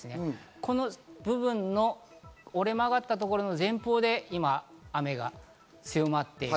この部分の折れ曲がったところの前方で今雨が強まっている。